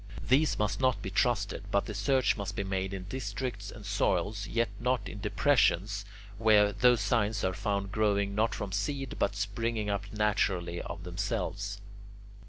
These must not be trusted, but the search must be made in districts and soils, yet not in depressions, where those signs are found growing not from seed, but springing up naturally of themselves.